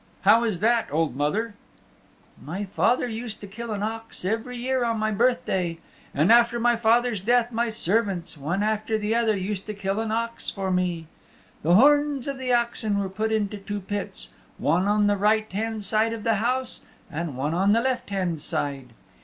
"How is that, old mother?" "My father used to kill an ox every year on my birthday, and after my father's death, my servants, one after the other, used to kill an ox for me. The horns of the oxen were put into two pits, one on the right hand side of the house and one on the left hand side.